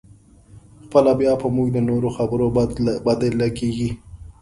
خپله بیا په موږ د نورو خبرې بدې لګېږي.